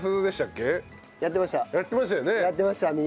やってましたよね。